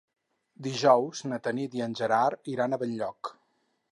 Dijous na Tanit i en Gerard iran a Benlloc.